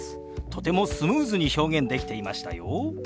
とてもスムーズに表現できていましたよ。